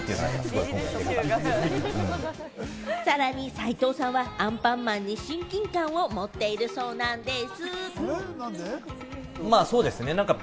さらに斎藤さんは『アンパンマン』に親近感を持っているそうなんでぃす！